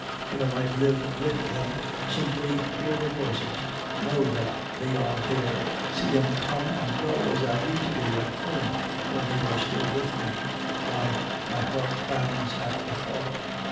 If I might live with them simply hear their voices, know that they are there, see them go and come as I used to do at home when they were still with me; why, my heart bounds at the thought....